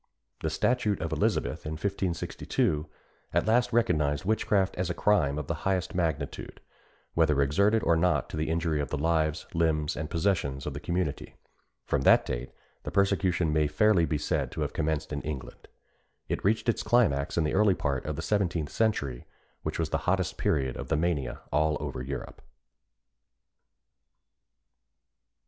The statute of Elizabeth, in 1562, at last recognised witchcraft as a crime of the highest magnitude, whether exerted or not to the injury of the lives, limbs, and possessions of the community. From that date the persecution may be fairly said to have commenced in England. It reached its climax in the early part of the seventeenth century, which was the hottest period of the mania all over Europe.